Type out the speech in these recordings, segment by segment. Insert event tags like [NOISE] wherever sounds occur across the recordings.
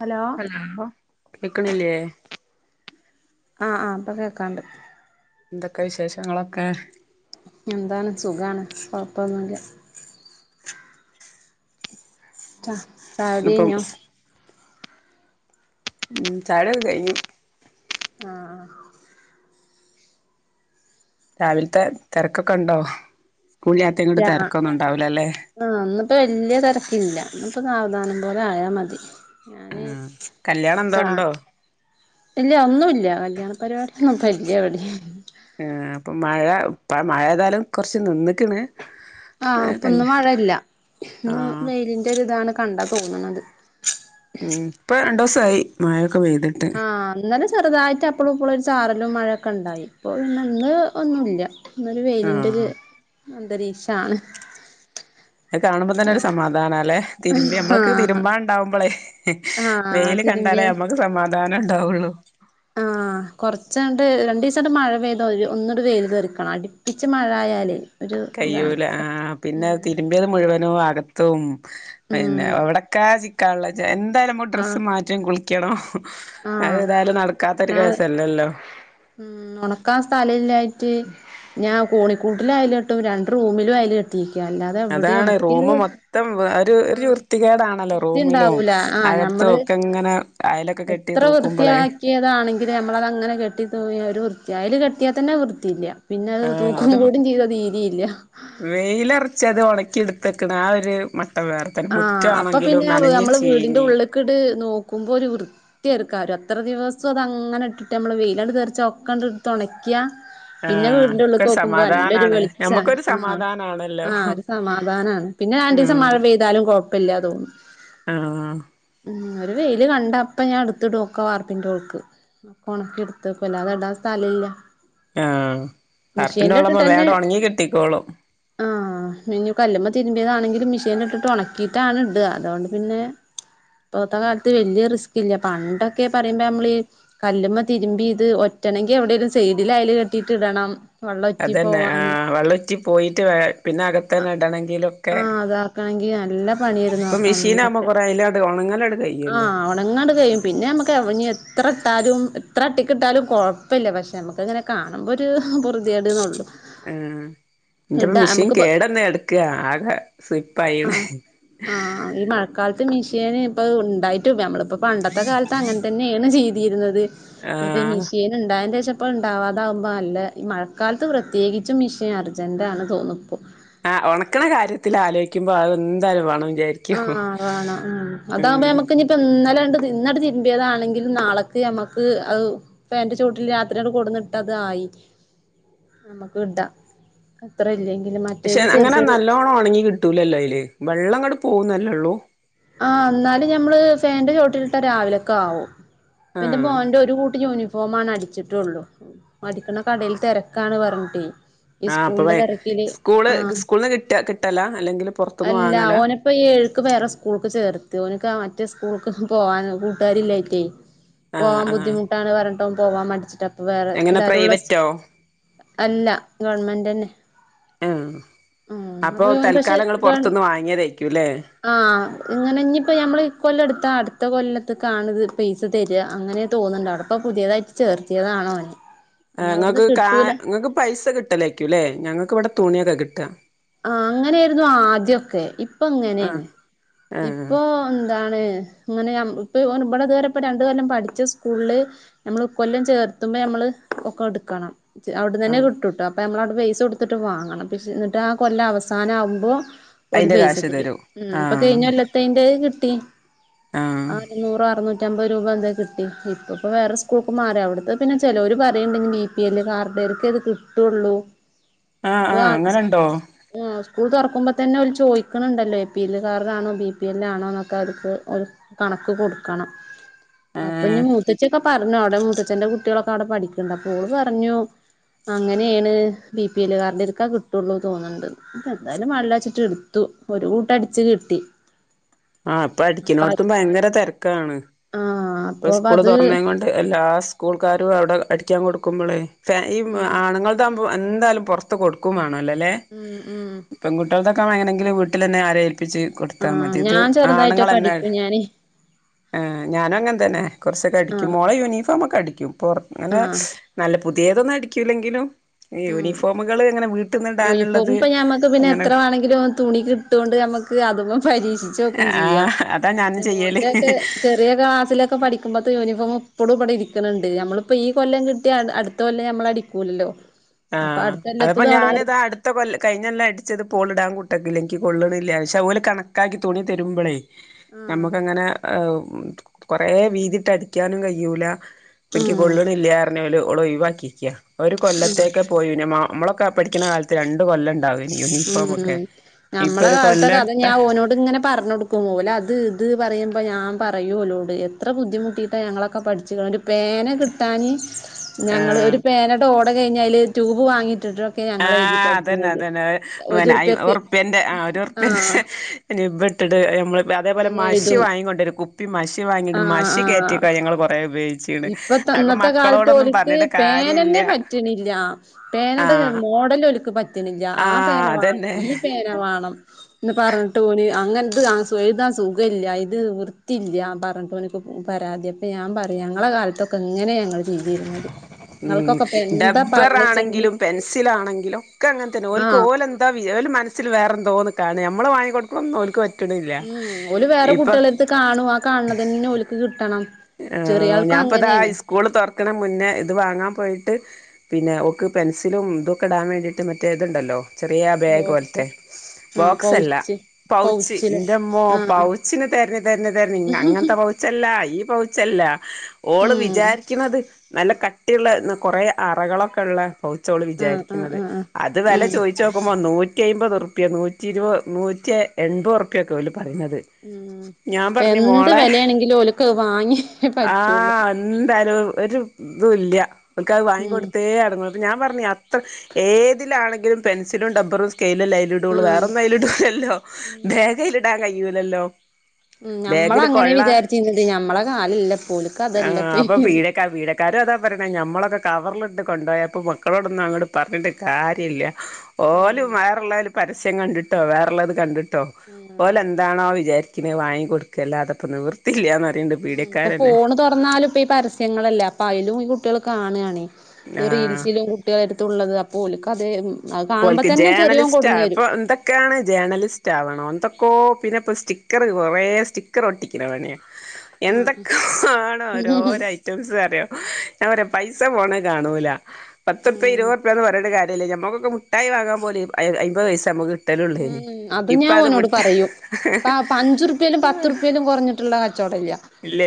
Hello? Hello കേക്ക്ണില്ലേ? ആഹ് ആഹ് പ്പ കേക്കാണ്ട്. ന്തൊക്കെ വിശേഷങ്ങളൊക്കെ? എന്താണ് സുഖാണ് കൊഴപ്പൊന്നുല്ല. ച ചായകുടി ഇന്നിപ്പം കഴിഞ്ഞോ? ഉം ചായകുട്യൊക്കെ കയിഞ്ഞു. ആഹ് ആഹ്- രാവിലത്തെ തെരക്കൊക്കണ്ടോ സ്കൂളില്ലാത്തോണ്ട് രാ തെരക്കൊന്നുണ്ടാവൂലല്ലേ? ആഹ് ഇന്ന്പ്പോ വല്ല്യ തെരക്കില്ല ഇന്നിപ്പോ സാവധാനം പോലെ ആയാ മതി, ഞാന് ചാ കല്യാണന്തോണ്ടോ? ഇല്ല ഒന്നൂല്ല കല്ല്യാണ പരിപാട്യന്നുപ്പല്ല്യ എവിടിം. ആഹ് അപ്പൊ മഴ പ്പ മഴ ഏതായാലും കൊറച്ച് നിന്ന്ക്ക്ണ്. ആഹ് അപ്പൊന്ന് മഴല്ല ഇന്ന് ആഹ് വെയിലിന്റൊര്താണ് കണ്ടാ തോന്ന്ണത്. ഉം ഇപ്പൊ രണ്ടൂസായി മഴൊക്കെ പെയ്തിട്ട്. ആഹ് ഇന്നലെ ചെറുതായിട്ട് അപ്പളൂപ്പളോരു ചാറലും മഴൊക്കെണ്ടായി പ്പൊ പിന്നെ ഇന്ന് ഒന്നുല്ല. ഇന്നൊരു വെയിലിന്റൊരു ആഹ് അന്തരീക്ഷാണ്. അത് കാണുമ്പോ തന്നെ ഒരു ആഹ് സമാധാനാലെ തിരുമ്പി ഞമ്മള്ക്ക് ആഹ് തിരുമ്പാണ്ടാവുമ്പളേയ് ആഹ് വെയില് കണ്ടാലേ തിരുമ്പിയത് ഞമ്മക്ക് സമാധാനണ്ടാവുള്ളു. കുറച്ച്ണ്ട് രണ്ടു ദിവസണ്ട് മഴ പെയ്ത ഒന്ന്ണ്ട് വെയില് തെറിക്കണം അടിപ്പിച്ച് മഴ ആയാല് കയ്യൂല ആഹ് പിന്നത് തിരു മ്പ്യത് മുഴുവനൂ അകത്തും പിന്നെ ഉം എവിടക്കാ ക്കാള്ളാച്ച എന്തായാലും നമ്മക്ക് ആഹ് ഡ്രസ്സ് മാറ്റും കുളിക്ക ക്കണം അത് ആഹ് ഏതായാലും നടക്കാത്തൊരു ഞാൻ കേസല്ലല്ലോ. ഉം ഒണക്കാൻ സ്ഥലല്ലായിട്ട് ഞാൻ കോണിക്കൂട്ടിലയല് കെട്ടും രണ്ട് റൂമിലും അയല് കെട്ടു ട്ടീക്ക അല്ലാതെ എവിടെ അതാണ് ഒണക്കി റൂമ് മൊത്തം ഒരു ഒരു ം വൃത്തികേടാണല്ലോ റൂമിലും വൃത്തിണ്ടാവൂല. ആഹ് അകത്തും ഞമ്മള് ഒക്കെ ഇങ്ങനെ അയലൊക്കെ കെട്ടി എത്ര തൂക്കുമ്പളേ വൃത്തിയാക്കി ക്യതാണെങ്കിലും നമ്മളത്ങ്ങനെ കെട്ടി തൂകി ഒരു വൃത്തി അയല് കെട്ടിയാൽ തന്നെ വൃത്തില്ല. പിന്നെ അത് ആ തൂക്കു കൂടി ചീത തീരീല്ല. വെയിലർച്ചത് ഒണക്കി ട്ത്തെക്ക്ണ ആ ഒരു മട്ടം വേറെ. മുറ്റാണെങ്കിലും നനഞ്ഞ് ചീഞ് ക്ക്ട് നോക്കുമ്പോരു വൃ ത്യക്കാരം അത്ര ദിവസം അതങ്ങനെട്ടിട്ട് നമ്മള് വെയിലാണ്ട് തെർച്ച ഒക്കെണ്ട് എടുത്തൊണക്കിയ ആ പിന്നെ വീടിന്റൊള്ള്ക്ക് ഒക്കൊരു നോക്കുമ്പോ നല്ലൊരു സമാധാനാണ് വെളിച്ച ഞമ്മക്കൊരു ആഹ് സമാധാനാണല്ലോ ആഹ് ഒരു സമാധാനാണ്. പിന്നെ രണ്ടിസം മഴ ഉം പെയ്താലും കുഴപ്പല്ല്യ തോന്നും. ആഹ് ം ഒരു വെയില് കണ്ട അപ്പ ഞാൻട്ത്ത്ടും ഒക്കെ വാർപ്പിൻ്റെ മോൾക്ക്. ഒക്കെ ഒണക്ക് എടുത്ത് വെക്കും അല്ലാതെ ഇടാൻ സ്ഥലല്ല. ആഹ് വാർപ്പിന്റൊൾലാവുമ്പോ വേഗങ്ങ്ണ്ട് ഒണങ്ങികിട്ടിക്കോളും. ആ ഇഞ്ഞു കല്ലുമ്മ തിരുമ്പിയതാണെങ്കിലും മിഷീനിൽ ഇട്ട് ഉണക്കിയിട്ടാണ് ഇട അതോണ്ട് പിന്നെ ഇപ്പഴത്തെ കാലത്ത് വെല്ല്യ റിസ്ക് ഇല്ല പണ്ടൊക്കെ പറയുമ്പോ നമ്മളീ കല്ലുമ്മ തിരുമ്പി ഇത് ഒറ്റണെങ്കി എവിടെലും സൈഡിൽ അയല് കെട്ടിട്ട് ഇടണം വെള്ളം ഒറ്റി അതന്നെ ആ പോവാന് വെള്ളുറ്റി പോയിട്ട് വേ പിന്നെ അക ത്തന്നെ ഇടണങ്കിലൊക്കെ ആഹ് അതാക്കണെങ്കി നല്ല പണിയായിരുന്നു ഇപ്പൊ മെഷീൻ ആകുമ്പോ കുറേ അയ്ലാണ്ട് ഉണങ്ങലട് ആ കഴിയല്ലോ ഉണങ്ങണ്ട് കഴിയും പിന്നെ നമക്ക് എവ് എത്ര ട്ടാലും എത്ര അട്ടിക്കിട്ടാലും കൊഴപ്പല്ല പക്ഷെ നമുക്കങ്ങനെ കാണുമ്പോരു പോർതിയേട്ന്നൊള്ളു ആ ന്റെപ്പം മെഷീൻ കേടന്ന് കെടക്ക ആകെ സുയ്പായിന് ആഹ് ആഹ് ഈ മഴക്കാലത്ത് മെഷീന് ഇപ്പ ണ്ടായിട്ട് പ്പ നമ്മള് ഇപ്പൊ പണ്ടത്തെ കാലത്ത് അങ്ങനെ തന്നേണ് ചെയ്തിര്ന്നത് ഇ ആഹ് മിഷീൻ ണ്ട ണ്ടായെന്റെ ശേഷം പ്പം ണ്ടാവാതാവുമ്പോ നല്ല ഈ മഴക്കാലത്ത് പ്രത്യേകിച്ചും മിഷീൻ അർ ജെന്റാണ് തോന്നുപ്പോ ആ ഉണക്ക്ണ കാര്യത്തിൽ ആലോയ്ക്കുമ്പോ അ ന്തായാലും വേണം വിചാരിക്കും അ [UNINTELLIGIBLE] അതാകുമ്പോ ഉം നമ്മുക്കിനി ഇപ്പൊ ന്നലെ ണ്ട് ഇന്നങ്ങട്ട് തിരുമ്പിയതാണെങ്കിലും നാളക്ക് നമ്മുക്ക് അ ഫാനിന്റെ ചോട്ടില് രാത്രി അങ്ങട്ട് കൊടുന്നിട്ട അതായി നമ്മുക്ക് ഇടാ അത്ര ഇല്ലെങ്കിലും പക്ഷെ മറ്റേത് ചെറിയ അങ്ങനെ ചെറിയ നല്ലോണം ഉണങ്ങി കിട്ടൂലല്ലോ അയില് വെള്ളം അങ്ങട് പോകുന്നല്ലള്ളൂ ആ ന്നാലും ഞമ്മള് ഫാൻ ന്റെചോട്ടിലിട്ട രാവിലെക്കെ ആവും ഇപ്പെന്റെ ആഹ് മോന്റെ ഒരു കൂട്ട് യൂണി ഫോംമാണ് അടിച്ചിട്ടുള്ളു അടിക്കണ കടയിൽ തെരക്കാണ് പറഞ്ഞിട്ടേ ഈ ആ അപ്പൊ സ്കൂളിന്റെ വേ തിരക്കില് സ്കൂള് ആഹ് സ്കൂള്ന്ന് കിട്ട കിട്ടല അല്ലെങ്കിൽ പുറത്തൊന്ന് വാങ്ങല പ്പ ഏഴ്ക്ക് വേറെ സ്‌ക്കൂ ൾക്ക് ചേർത്തി ഓൽക്ക് ആ മറ്റേ സ്കൂൾക്ക് പോകാൻ കൂട്ടുകാരില്ലായിറ്റേ ആഹ് പോവാൻ ആഹ് ബുദ്ധിമു ട്ടാണ് പറഞ്ഞിട്ട് പോവാൻ മട്‌ച്ചിട്ട് അപ്പൊ വേറെ എങ്ങനെ എല്ലാരും ള്ള സ് പ്രൈവറ്റോ അല്ല ഗവൺമെൻറ് എന്നെ ആ അപ്പോ അപ്പൊ തൽക്കാലം ങ്ങൾ പൊറ്ത്ത്ന്ന് വാങ്ങിയതേയ്ക്കും ലെ ആ ഇങ്ങനെ ഇപ്പോ ഞമ്മൾ ഇ കൊല്ലം എട്‌ത്ത അടുത്ത കൊല്ലത്ത് കാണ് ഇത് പൈസ തെര അങ്ങനെ തോന്ന്ണ്ട് അവിടെപ്പ പുതിയതായിട്ട് ട്ട് ചേർത്തിയതാണ് ഓനെ ആ ഇഞ്ഞി അവ്ട്ന്ന് ങ്ങക്ക് കാ കിട്ടൂല നിങ്ങൾക്ക് പൈസ കിട്ടലേക്കൂ ലെ ഞങ്ങൾക്ക് ഇവിടെ തുണിയൊക്കെ കിട്ട ആ അങ്ങനെര്ന്നു ആദ്യോക്കെ ഇപ്പൊ ആഹ് ങ്ങനെണ് ആഹ് ഇപ്പൊ അതാണ് ങ്ങനെ അം ഇപ്പ ഇപടെതുവരെ ഇപ്പ രണ്ടു കൊല്ലം പഠിച്ച സ്കൂൾ നമ്മള് കൊല്ലം ചേർത്തുമ്പോ നമ്മള് ഒക്കെ എടുക്കണം അവിടന്നന്നെ ആഹ് കിട്ടുട്ടാ അപ്പൊ നമ്മൾ അവിടെ പൈസ കൊടുത്ത്ട്ട് വാങ്ങണം പക്ഷേ ആ കൊല്ലം അവസാനം ആവുമ്പോ ഓൽ അയിന്റെ പൈസ കാശ് മ് തരും ഇപ്പൊ ആഹ് കഴിഞ്ഞ കൊല്ല ത്തെയ്ന്റെ കിട്ടി ആഹ് അഞ്ചുറോ അറനൂ നറ്റമ്പത് രൂപ ന്തോ കിട്ടി ഇപ്പപ്പോ വേറെ സ്കൂൾ ഒക്കെ മാറി അവിട്‌ത്തെ പിന്നെ ചേലോർ പറിണ്ട് ഞ്ഞി മീ ബി എ ൽ കാർഡേർക്കെ ഇത് കിട്ടുള്ളൂ ആ അ ഇപ്പൊ അങ്ങനെണ്ടോ ആ സ്കൂൾ തുറക്കുമ്പോ തന്നെ ഓൽ ചോയ്ക്ക്ണ്ണ്ടല്ലോ എ പി എൽ കാർഡാണോ ബി പി എല് ആണോ ന്ന് ഒക്കെ അവർക്ക് ഒ കണക്ക് കൊടുക്കണം അപ്പൊ ഏഹ് ഞ്ഞി മൂത്തച്ചി ഒക്കെ പറ [UNINTELLIGIBLE] ഓടെ മുത്തച്ഛന്റെ കുട്ടികളൊക്കെ അവിടെ പഠിക്കുന്നുണ്ട് അപ്പോ ഓള് പറഞ്ഞു അങ്ങനെയാണ് ബി പി എൽ കാർഡർക്ക് ക്കാ കിട്ടുള്ളൂ തോന്ന്ണ്ട് അപ്പ എന്തായാലും വേണ്ടില്ല വെച്ചിട്ട് എടുത്തു ഒരു കൂട്ടം അടിച്ച് കിട്ടി ആ അപ്പൊ അടിക്കിണോടത്തും ഭയങ്കര തിരക്കാണ് ആഹ് ആഹ് ഇപ്പ സ്കൂള് തൊർന്നേ കൊണ്ട് എല്ലാ സ്കൂൾക്കാരും അവിടെ അടിക്കാൻ കൊടുക്കുമ്പളേ ഫാ ഈ ഉം ആണുങ്ങൾതാഉമ്പോ എന്തായാലും പുറത്ത് കൊടുക്കും വേണല്ലോല്ലേ ഉം ഉം പെൺകുട്ട്യൾതൊക്കെ ആമ്പ എങ്ങനെങ്കില് വീട്ടിലെന്നെ ആരേഏൽപ്പിച്ച് കൊടുത്താ ആഹ് മതി ഇത് ഞാൻ ചെറുതായിട്ടൊക്കെ ആണുങ്ങളന്നെ അടിക്കും ഞാന് ഏഹ് ഞാനങ്ങൻ തന്നെ കുറച്ചൊക്കെ അടിക്കും ആഹ് മോളെ യൂണിഫോമൊക്കെ അടിക്കും പുർ അങ്ങനെ ആഹ് നല്ല പുത്യേതൊന്നും അടിക്കൂല്ലെങ്കിലും ഉം യൂണിഫോമുകൾ ങ്ങനെ യൂണിഫോം വീട്ടിൽന്ന്ടാനുള്ളത് ഇപ്പൊ ഞമ്മക്ക് പിന്നെ ങ്ങനെ എത്ര വേണെങ്കിലും തുണി കിട്ടൊണ്ട് നമക്ക് അതൊന്ന് പരീക്ഷിച്ചോക്കും ചെയ്യാ ആഹ് അതാ ഞാനും പി മോന്റെക്കെ ചെയ്യല് ചെ റിയ ക്ലാസ്സിലൊക്കെ പഠിക്കുമ്പത്തെ യൂണിഫോം ഇപ്പഴും ഇബടെ ഇരിക്ക്ണ് ണ്ട് നമ്മളിപ്പോ ഈ കൊല്ലം കിട്ട്യാ അടുത്ത കൊല്ലം നമ്മളടി കൂലല്ലോ ആഹ് അതപ്പോ ഞാന് ഇതാ അടു ത്ത കൊല്ല കഴിഞ്ഞല്ലാം അടിച്ചത് പോളിടാൻ കുട്ടാക്കില്ലെ ൻക് കൊള്ള്ണില്ല പക്ഷേ ഓല് കണക്കാക്കി തുണി തരുമ്പളേ ആഹ് നമ്മക്കങ്ങനെ കൊറെ വീതിട്ട് അടിക്കാനും കയ്യുല ഇപ്പോ ഇൻക്ക് ഉം കൊള്ളണില്ല്യാർഞ്ഞ് ഓള് ഒഴിവാക്കിക്ക ഒരു കൊല്ല ഉം പോയി പിന്നെ നമ്മളൊക്കെ പഠടിക്കണ കാലത്ത് രണ്ട് കൊല്ലം ഉണ്ടാവേനി യൂണിഫോമൊക്കെ ഉം ഇപ്പൊ നമ്മളെ ഒരു കാലത്തൊക്കെ അത് കൊല്ലട്ട ഞാൻ ഓനോ ത് ങ്ങനെ പറഞൊടുക്കും ഓല് അത് ഇത് പറയുമ്പോ ഞാൻ പറയൂ ഓലോട് എത്ര ബുദ്ധിമുട്ടിയിട്ടാ ഞങ്ങളൊ ക്കെ പഠിച്ച് കാണ്ട് പേന കിട്ടാന് ഞങ്ങള് ആഹ് ഒരു പേനയുടെ ഓട കഴിഞ്ഞാല് ട്യൂബ് വാങ്ങിയിട്ടിട്ട് ആഹ് അതന്നെ അതന്നെ ഒരുറുപ്യക്ക് ഒരുറുപ്പ്യന്റെ ആ ആഹ് ഒരുറ്പ്പ്യൻ്റെ നിബ്ബ് ഇട്ട്ട്ട് അഹ് ഞമ്മള് അതേ പോലെ മശി എഴുതും വാങ്ങിക്കൊണ്ടരു കുപ്പി മഷി വാങ്ങിണ്ട് മഷി കയറ്റിട്ട ഞങ്ങള് കുറേ ഉപയോഗിച്ചിണ്. ഇപ്പൊത്തെ അതൊക്കെ ഇന്നത്തെ കാലത്ത് മക്കളോടൊന്നും ഓല്ക്ക് പറഞ്ഞിട്ട് കാര്യല്ല പേനന്നെ പറ്റണില്ല പേനടെ ആഹ് മോടല് ഒല്ക്ക് പറ്റണില്ല ആ പേന ആഹ് വേണം അതന്നെ ഈ പേന വേണം ഇന്ന് പറഞ്ഞിട്ട് ഓന് അങ്ങൻത് ആ എഴുതാൻ സുഖല്ല്യ ഇത് വൃത്തിയില്ല പറഞ്ഞിട്ട് ഓന് പരാതിയ അപ്പൊ ഞാൻ പറയും ഞങ്ങളെ കാലത്തൊക്കെ ഇങ്ങനെയ ഞങ്ങള് ചെയ്തിരുന്നത്. ഉം നിങ്ങൾക്കൊക്കെ ഇപ്പ എന്താ ഡബ്ബർ പറഞ്ഞച്ചെങ്കി ആണെങ്കിലും പെൻസിലാണെങ്കിലും ഒക്കെ അങ്ങൻതന്നെ ഓൽക്ക് ആഹ് ഓലെ ന്താ വിജ ഓലു മനസ്സില് വേറെ എന്തോന്ന് കാണാ നമ്മള് വാങ്ങി കൊടുക്കൊന്നും ഓൽക്ക് പ ഉം ഉം ഓല് വേറെ കുട്ടികളെടുത്ത് കാണും ആ കാണണതന്നെ ഓല്ക്ക് കിട്ടണം ആഹ് ചെറിയാൾക്കും ഞാൻപ്പതാ അങ്ങനെയാണ് സ്കൂള് തുറക്കണെ മുന്നേ ഇത് വാങ്ങാൻ പോയിട്ട് പിന്നെ ഓക്ക് പെൻസിലും ഇതൊക്കെ ഇടാൻ വേണ്ടിട്ട് മറ്റേ ഇതുണ്ടല്ലോ ചെറിയ ബാഗ് ബോക്സ് പോൽത്തെ ആഹ് പൗച്ച് പൗച്ച് പൗച്ചില് ഇന്റമ്മോ ആഹ് ആഹ് പൗച്ചിന് തെരഞ്ഞ് തെരഞ്ഞ് തെരഞ്ഞ് അങ്ങൻത്തെ ഉം പൗ ച്ചല്ല ഈ പൗച്ചല്ല ഓള് വിചാരിക്കുന്നത് നല്ല കട്ടിള്ള കുറേ അറകളൊക്കെള്ള പൗച്ചോള് ആഹ് ആഹ് വിചാരിക്കുന്നത് ആഹ് ആഹ് അത് വെല ഉം ചോയിച്ചോക്കുമ്പോ നൂ റ്റി അയ്മ്പത് റുപ്യ നൂറ്റിരുവ് നൂറ്റി എൺപത് റുപ്യ ഒക്കെ ഓല് പറയണത് ഉം ഞാൻ പറഞ്ഞ് എന്ത് മോളെ വെലയാണെങ്കിലും ഓൽക്കത് വാങ്ങി ആഹ് എന്താലും ഒരു ഇതു ഇല്ല്യ ഓൽക്ക് അത് വാങ്ങി ഉം കൊടുത്തേ അടങ്ങു ഞാൻ പറഞ്ഞെ അത്ര ഏതിലാണെങ്കിലും പെൻസിലും ഡബറും സ്കെയ്ലുല്ലെ ഇടൊള്ളു ആഹ് വേറൊന്നും അയ്ല് ഇടൂലല്ലോ ഉം ബേഗയില് ഇടാൻ കഴിയൂലല്ലോ ഉം ഞമ്മള് ബാഗില് അങ്ങനെ കൊള്ള വിചാരിച്ചിന്നത് ഞമ്മളെ കാലല്ല ഇപ്പൊ ഓല്ക്ക് അതല്ല [UNINTELLIGIBLE] കാര അതാ പറയണെ ഞമ്മളൊക്കെ കവറിലിട്ട് കൊണ്ടോയപ്പൊ മക്കളോടൊന്നും അങ്ങോട്ട് പറഞ്ഞിട്ട് കാര്യല്ല്യ ഓല് ഉം വേറോള്ളല് പരസ്യം കണ്ടിട്ടോ വേറള്ളത് കണ്ടിട്ടോ ഉം ഓലെ ന്താണോ വിചാരിക്കണെ വാങ്ങി കൊടുക്കല്ലാതെ ഇപ്പോ നിവർത്തില്ല്യാന്ന് പറയണ്ട്. ഉം ഇപ്പോ പീഡക്കാരന്നെ ഫോണ് തൊറന്നാലും ഇപ്പ ഈ പരസ്യങ്ങളല്ലേ അപ്പ അയലും ഈ കുട്ടികള് കാണാണെ ഈ ആഹ് റീൽസിലും കുട്ടികള് എടുത്തുള്ളത് അപ്പോ ഓല്ക്ക് അത് അത് കാണുമ്പോ തന്നെ ചെറിയോൻ കൊടുന്ന് വരും ഇക്കാണ് ജേണലിസ്റ്റ് ആവണം എന്തൊക്കോ പിന്നെ ഇപ്പോ സ്റ്റിക്കറ് കൊറെ സ്റ്റിക്കർ ഒട്ടിക്കണ പണിയാ ആഹ് എന്തൊക്കെ ആണോ ആഹ് ഓരോരോ ഐറ്റംസ് അറിയോ ഞാൻ പറയ പൈസ പോണ കാണൂല. പത്തുർപ്പ്യ ഉം ഇരുപതുർപ്പ്യാന്ന് പറഞ്ഞിട്ട് കാര്യമല്ല ഞമ്മക്കൊക്കെ മുഠായി വാങ്ങാൻ പോല് അയ്പത് പൈസ നമ്മു ഉം അത് ഞാൻ ഓന്നോട് പറയൂ ഇപ്പൊ പഞ്ചുർപ്പ്യേലും പത്തുൻപ്പ്യേലും കൊറഞ്ഞിട്ടുള്ള കച്ചവടം ഇല്ല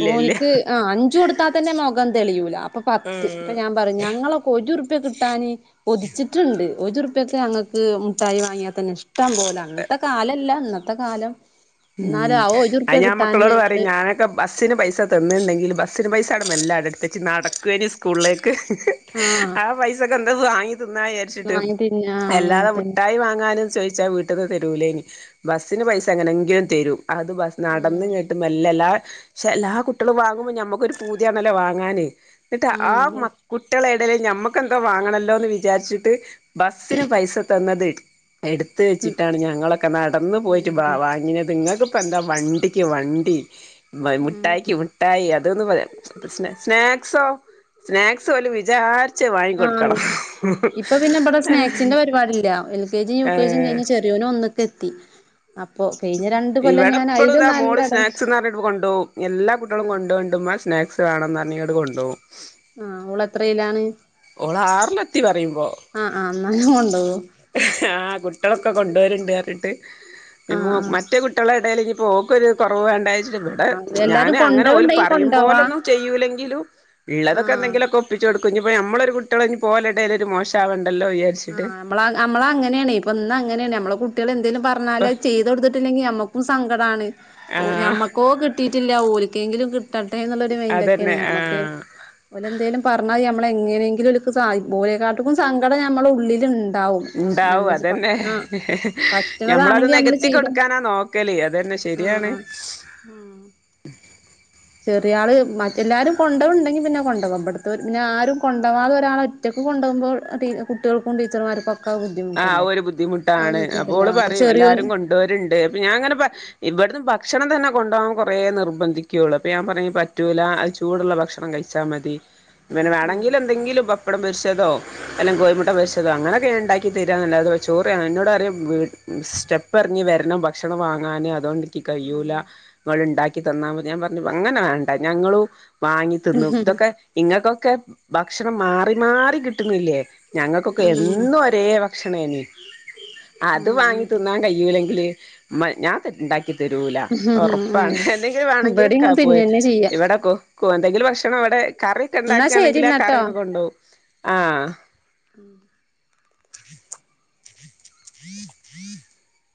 ഇല്ല ഇല്ല ഓന്ക്ക് ആഹ് അഞ്ചു കൊടുത്താ തന്നെ മുഖം തെളിയൂല അപ്പോ പത്ത് ഉം ഇപ്പൊ ഞാൻ പറയും ഞങ്ങളൊക്കെ ഒരു ഉറുപ്യ കിട്ടാന് കൊതിച്ച് ട്ട്ണ്ട് ഒരുർപ്പ്യക്ക് ഞങ്ങക്ക് മുട്ടായി വാങ്ങിയാ തന്നെ ഇഷ്ടം പോലെ അങ്ങനത്തെ കാലല്ല ഇന്ന ത്തക്കാലം ഉം അത് ഞാൻ മക്കളോട് പറയും ഞാനക്കെ ബസ്സിന് പൈസ തന്നുണ്ടെങ്കിലും ബസ്സിന് പൈസ അവടെ മെല്ല അവടെ എടുത്തെച്ച് നടക്കുവേനി സ്കൂളിലേക്ക് ആ പൈസക്ക് എന്തേം വാങ്ങി തിന്ന വിചാ ച്ചിട്ട് വാങ്ങി തിന്നാ അങ്ങനെ അല്ലാതെ തന്നെ മുട്ടായി വാങ്ങാനും ചോദിച്ചാ വീട്ട ട്ട്ന്ന് തരൂലേനി ബസിന് പൈസ എങ്ങനെങ്കിലും തരും അത് ബസ് ഉം നടന്നിങ്ങട്ട് മെല്ലെ എല്ലാ പക്ഷെ എല്ലാ കുട്ടികളും വാങ്ങുമ്പോ ഞമ്മക്കൊരു പൂതിയാണല്ലോ വാങ്ങാന് എന്നിട്ട് ആ മ ഉം കുട്ട്യേള എടേല് ഞമ്മക്കെന്തോ വാങ്ങണല്ലോന്ന് വിചാരിച്ചിട്ട് ബസ്സിന് പൈസ തന്നത് എടു ത്ത് ഉം വെച്ചിട്ടാണ് ഞങ്ങളൊക്കെ നടന്ന് പോയിട്ട് ഉം വാങ്ങിനത് നിങ്ങക്കിപ്പ എന്താ വണ്ടിക്ക് വണ്ടി ഉം മിഠായിക്ക് മി ട്ടായി അതൊന്ന് പറയാ സ്നാക്സോ സ്നാക്സ് പോലും വിചാരി ആഹ് ഇപ്പൊ പിന്നെ ഇവടെ സ്നാക്സിന്റെ പരിപാടില്ല എൽ കെ ജിയും യു കെ ജിയും കഴിഞ്ഞ് ചെ റിയോൻ ഒന്ന്ക്കെത്തി ഇവടെപ്പോഴും അയിലും ഇതാ നല്ല മോള് എട സ്നാക്സ്ന്ന് പറഞ്ഞട്ട് കൊണ്ടുപോവും എല്ലാ കുട്ടികളും കൊണ്ടു പോണ്ടുമ്മ സ്നാക്സ് വേണംന്ന് പറഞ്ഞിങ്ങണ്ട് കൊണ്ടു പോവും. ആഹ് ഓള് എത്രയിലാണ് ആറിലെത്തി പറയുമ്പോ ആഹ് ആ എന്നാലും കൊണ്ടോവും ആഹ് കുട്ട്യോളക്കെ കൊണ്ടുവരുണ്ട് പറഞ്ഞിട്ട് ആഹ് ആഹ് മറ്റേ കു [UNINTELLIGIBLE] ടയിൽ ഇനിപ്പോ ഓക്കൊരു കൊറവ് വേണ്ട വി ഇവടെ ആഹ് ഞാന് എല്ലാരും അങ്ങനെ ഓല് കൊണ്ടോവ്ണ്ടെങ്കി പറയും കൊണ്ടോവാ പോലൊന്നും ചെയ്യൂല്ലെങ്കിലും ഇള്ളതൊക്കെ ആഹ് എന്തെങ്കിലോക്കെ ഒപ്പിച്ച് കൊടുക്കും ഇനിപ്പോ നമ്മളൊരു കുട്ടികള് ഇനി ഓലെടേല് ഒരു മോശവണ്ടല്ലോ വിചാ ആഹ് നമ്മള് നമ്മള അങ്ങനെയാണെ ഇപ്പോ ഇന്ന് അങ്ങനെയാണ് നമ്മള കുട്ട ട്ടികൾ എന്തെലും പറഞ്ഞാല് ഇപ്പ അത് ചെയ്ത് കൊടുത്തിട്ടില്ലെങ്കിൽ നമ്മക്കും സങ്കടാണ് ആഹ് ഞമ്മക്കോ കിട്ടി ട്ടില്ല ഓലിക്കെങ്കിലും കിട്ടട്ടെ എന്നുള്ളരു മെന്റൊക്കെയാണ് അതന്നെ ഞമ്മക്ക് ആഹ് ഓലെന്തേലും പറഞ്ഞാ നമ്മള എങ്ങനെങ്കിലും [UNINTELLIGIBLE] ഓലെക്കാട്ടക്കും സങ്കട നമ്മളുടെ ഉള്ളില്ണ്ടാവും. ഇണ്ടാവും അതന്നെ ഞമ്മളത് പറ്റണതാണെങ്കി നമ്മള് നികത്തി ചെയ്ത് കൊടുക്കാനാ നോ ക്കല് അതന്നെ ശെരിയാണ് ഉം ചെറിയ ആള് മറ്റെ എല്ലാരും കൊണ്ട് പോവ്ണ്ടെങ്കി പിന്നെ കൊണ്ട് പോക ഇവടുത്തത് പിന്നെ ആരും കൊണ്ടവാതെ ഒരാള് ഒ ഒറ്റക്ക് കൊണ്ടോകുമ്പോൾ എ ട്ടീ കുട്ടിയേൾക്കും ടീച്ചർ മാര്ക്കും ഒ ആഹ് അത് ഒരു ബുദ്ധിമുട്ടാണ് അപ്പൊ ബുദ്ധിമുട്ടല്ലേ ഓള് ആ പറയും ചെറിയോന് എല്ലാരും കൊണ്ട് വരുണ്ട് അപ്പൊ ഞാൻ ഇങ്ങനെ പ ഇവിടന്ന് ഭക്ഷണം തന്നെ കൊണ്ട് പോകാൻ കുറേ നിർബന്ധിക്കയുള്ളൂ അപ്പൊ ഞാൻ പറയും പറ്റൂല അ ചൂടുള്ള ഭക്ഷണം കഴിച്ചാൽ മതി പിന്നെ ഉം വേണമെങ്കില് എന്തെങ്കിലും പപ്പടം പൊരിച്ചതോ അല്ലെങ്കിൽ കോഴിമുട്ട പൊരിച്ചതോ അങ്ങനൊക്കെ ഉണ്ട ക്കി തരാ എന്നല്ലാതെ ഒരു ചോറ് എന്നോട് പറിയും വീട് സ്റ്റെപ്പ് എറങ്ങി വരണം ഭക്ഷണം വാങ്ങാന് അതു കൊണ്ട് ക്കി ഉം കഴിയൂല ഇങ്ങൾ ഇണ്ടാക്കി തന്നാ മതി ഞാൻ പറഞ്ഞു അങ്ങനെ വേണ്ട ഞങ്ങളും വാങ്ങി തിന്നും ഇതൊക്കെ ഇങ്ങൾക്ക് ഒക്കെ ഭക്ഷണം മാറി മാറി കിട്ടുന്നില്ലേ ഞങ്ങൾക്ക് ഒക്കെ ഉം എന്നും ഒരേ ഭക്ഷണേനി അത് ഉം ഉം വാങ്ങി തിന്നാൻ കഴിയൂലെങ്കില് മ ഞാൻ തെ ഇണ്ടാക് ക്കി തരൂല ഉം ഉം ഒറപ്പാണ് എന്തെങ്കിലും വേണെങ്കില് ഇബടിം [UNINTELLIGIBLE] തിന്നെന്നെ ചെയ്യാ ഇവിടെ കോ ക്കോ എന്തെങ്കിലും ഭക്ഷണം അവിടെ കറി ഒക്കെ ഇന്നാ ഉണ്ടാക്കാണെങ്കില് കറി ശരിന്നാട്ടോ ഒക്കെ കൊണ്ടു പോകും ആഹ് ഉം [INAUDIBLE]